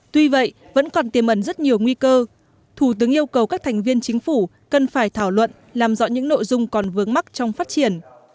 tuy vậy vẫn còn tiềm ẩn rất nhiều nguy cơ thủ tướng yêu cầu các thành viên chính phủ cần phải thảo luận làm rõ những nội dung còn vướng mắc trong phát triển